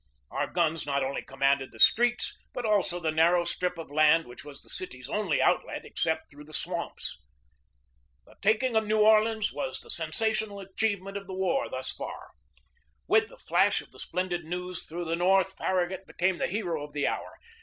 Our guns not only commanded the streets, but also the narrow strip of land which was the city's only outlet except through the swamps. The taking of New Orleans was the sensational achievement of the war thus far. With the flash of the splendid news through the North, Farragut be came the hero of the hour.